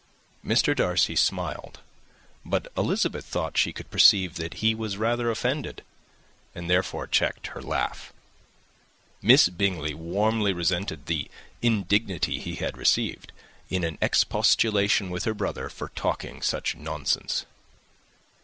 Mr. Darcy smiled; but Elizabeth thought she could perceive that he was rather offended, and therefore checked her laugh. Miss Bingley warmly resented the indignity he had received, in an expostulation with her brother for talking such nonsense.